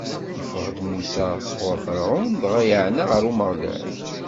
Iffeɣ-d Musa sɣur Ferɛun, dɣa iɛenna ɣer Umeɣlal.